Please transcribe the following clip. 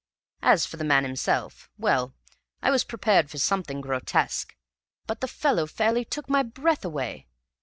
"As for the man himself well, I was prepared for something grotesque, but the fellow fairly took my breath away.